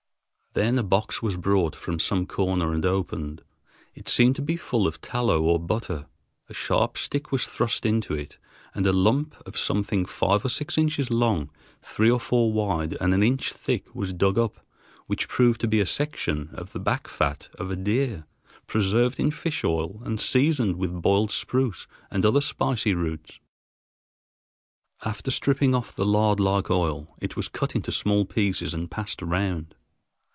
Then a box was brought from some corner and opened. It seemed to be full of tallow or butter. A sharp stick was thrust into it, and a lump of something five or six inches long, three or four wide, and an inch thick was dug up, which proved to be a section of the back fat of a deer, preserved in fish oil and seasoned with boiled spruce and other spicy roots. After stripping off the lard like oil, it was cut into small pieces and passed round.